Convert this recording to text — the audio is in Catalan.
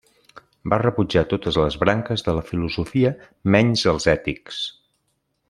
Va rebutjar totes les branques de la filosofia menys els ètics.